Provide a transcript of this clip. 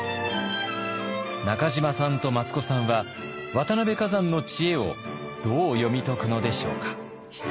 中島さんと益子さんは渡辺崋山の知恵をどう読み解くのでしょうか。